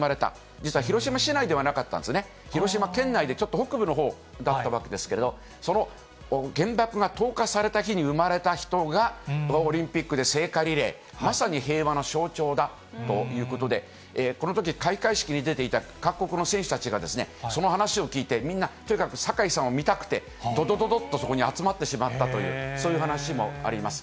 実は広島市内ではなかったんですね、広島県内でちょっと北部のほうだったわけですけど、その原爆が投下された日に生まれた人が、オリンピックで聖火リレー、まさに平和の象徴だということで、このとき、開会式に出ていた各国の選手たちが、その話を聞いて、みんな、とにかく坂井さんを見たくて、どどどどっとそこに集まってしまったという、そういう話もあります。